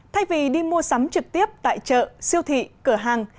thay vì đi mua sắm trực tiếp tại chợ siêu thị cửa hàng